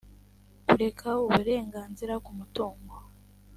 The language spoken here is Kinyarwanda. kureka uburenganzira ku mutungo